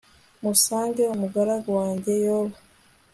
musange umugaragu wanjye yobu